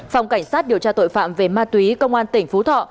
phòng cảnh sát điều tra tội phạm về ma túy công an tỉnh phú thọ